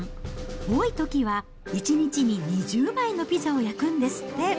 多いときは１日に２０枚のピザを焼くんですって。